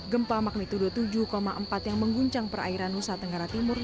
gempa magnitudo tujuh empat yang mengguncang perairan nusa tenggara timur